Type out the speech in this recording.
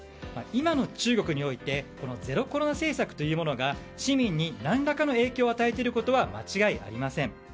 今の中国においてゼロコロナ政策というものが市民に何らかの影響を与えていることは間違いありません。